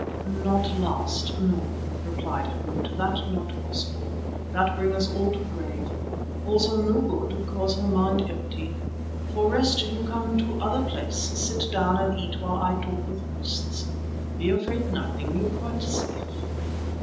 "Not last, no," replied Harût, "that not possible. That bring us all to grave. Also no good, 'cause her mind empty. For rest, you come to other place, sit down and eat while I talk with priests. Be afraid nothing; you quite safe."